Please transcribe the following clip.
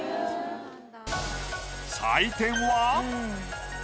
採点は。